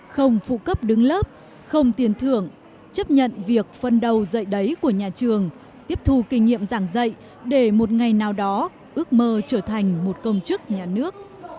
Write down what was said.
không phụ cấp đứng lớp không tiền thưởng chấp nhận việc phân đầu dạy đấy của nhà trường tiếp thu kinh nghiệm giảng dạy để một ngày nào đó ước mơ trở thành một công chức nhà nước